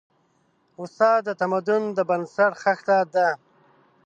استاد د تمدن د بنسټ خښته ده.